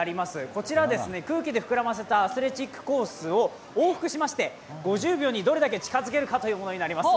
こちらは空気で膨らませたアスレチックコースを往復しまして５０秒にどれだけ近づけるかというものになります。